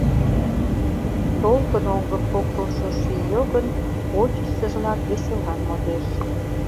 Толкын оҥгым поктылшо ший йогын Ончычсыжлак веселан модеш.